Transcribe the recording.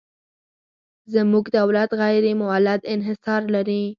زموږ دولت غیر مولد انحصار لري.